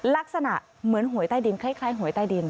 ลักษณะเหมือนหวยใต้ดินคล้ายหวยใต้ดิน